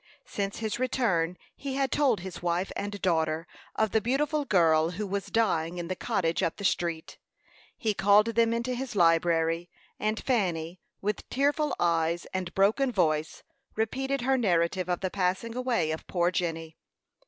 Since his return he had told his wife and daughter of the beautiful girl who was dying in the cottage up the street. He called them into his library, and Fanny, with tearful eyes and broken voice, repeated her narrative of the passing away of poor Jenny.